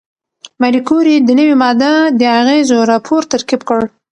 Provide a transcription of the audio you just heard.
ماري کوري د نوې ماده د اغېزو راپور ترتیب کړ.